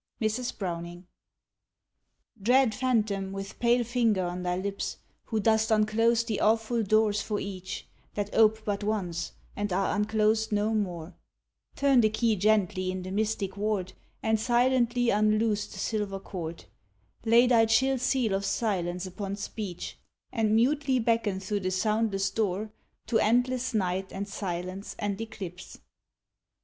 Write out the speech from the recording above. Mrs. Browning. Dread phantom, with pale finger on thy lips, Who dost unclose the awful doors for each, That ope but once, and are unclosed no more, Turn the key gently in the mystic ward, And silently unloose the silver cord; Lay thy chill seal of silence upon speech, And mutely beckon through the soundless door To endless night, and silence and eclipse.